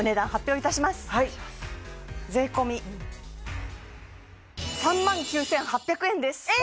それでは税込３万９８００円です！え！